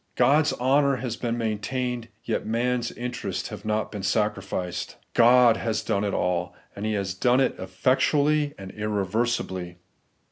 God's honour has been maintained, yet man's interests have not been sacrificed. God has done it all; and He has done it efifec tually and irreversibly.